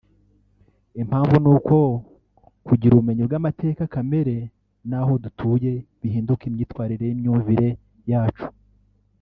Impamvu ni uko kugira ubumenyi bw’amateka kamere y’aho dutuye bihindura imyifatire n’imyumvire yacu